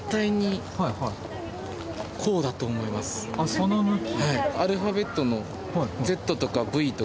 その向き。